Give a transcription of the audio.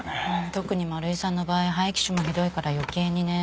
特に丸井さんの場合肺気腫もひどいから余計にね。